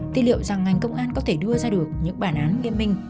thì liệu rằng ngành công an có thể đưa ra được những bản án nghiêm minh